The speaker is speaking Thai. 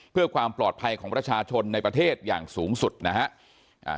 เพื่อความปลอดภัยของประชาชนในประเทศอย่างสูงสุดนะฮะ